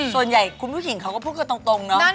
ส่วนใหญ่คุณผู้หญิงเขาก็พูดกันตรงเนาะ